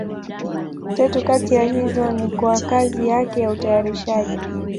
Tatu kati ya hizo ni kwa kazi yake ya utayarishaji.